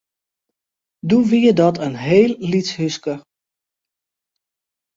Doe wie dat in heel lyts húske.